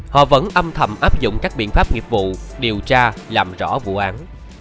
họ vẫn âm thầm áp dụng các biện pháp nghiệp vụ điều tra làm rõ vụ án